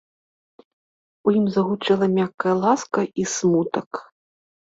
У ім загучэла мяккая ласка і смутак.